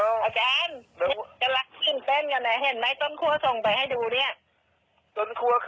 ต้นคั่วที่สุดส่งให้